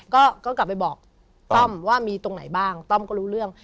ก็กลับไปบอกต้อมว่ามีตรงไหนบ้างต้อมก็รู้เรื่อง